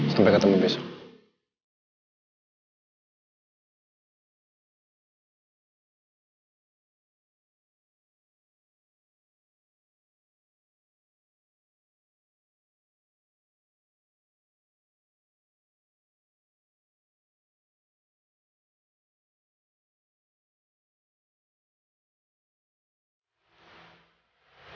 sampai ketemu besok